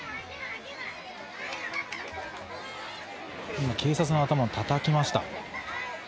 今、警察の頭をたたきました。